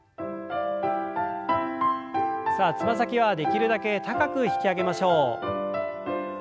さあつま先はできるだけ高く引き上げましょう。